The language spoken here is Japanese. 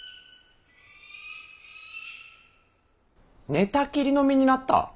・寝たきりの身になった。